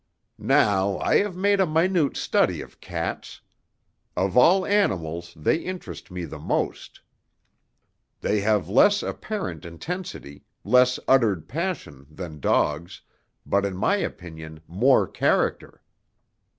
"Now, I have made a minute study of cats. Of all animals they interest me the most. They have less apparent intensity, less uttered passion, than dogs, but in my opinion more character.